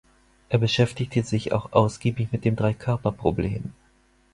Er beschäftigte sich auch ausgiebig mit dem Dreikörperproblem.